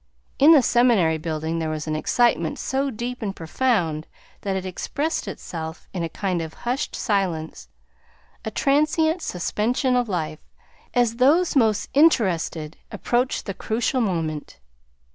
In the seminary building there was an excitement so deep and profound that it expressed itself in a kind of hushed silence, a transient suspension of life, as those most interested approached the crucial moment.